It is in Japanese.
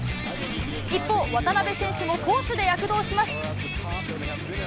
一方、渡邊選手も攻守で躍動します。